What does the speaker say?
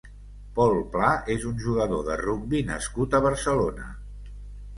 Pol Pla és un jugador de rugbi nascut a Barcelona.